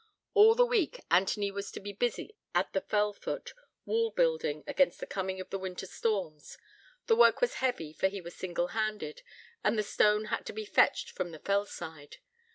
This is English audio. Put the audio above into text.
All the week Anthony was to be busy at the fell foot, wall building against the coming of the winter storms: the work was heavy, for he was single handed, and the stone had to be fetched from off the fell side.